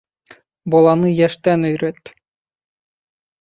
Баланы йәштән өйрәт.